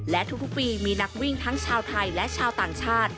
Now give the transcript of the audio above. และทุกปีมีนักวิ่งทั้งชาวไทยและชาวต่างชาติ